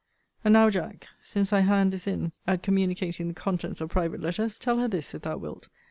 And now, Jack, since thy hand is in at communicating the contents of private letters, tell her this, if thou wilt.